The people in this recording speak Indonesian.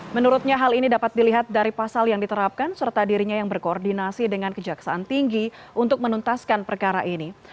menurutnya hal ini dapat dilihat dari pasal yang diterapkan serta dirinya yang berkoordinasi dengan kejaksaan tinggi untuk menuntaskan perkara ini